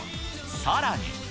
さらに。